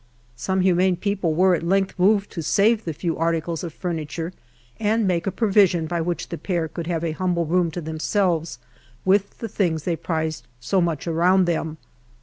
Some ^humane people were at length moved to save the few articles of furniture, and make a provision by which the HALF A DIME A DAY. 27 pair could have a hmnble room to themselves, with the things they prized so much around them.